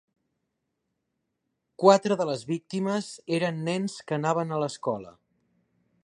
Quatre de les víctimes eren nens que anaven a l'escola.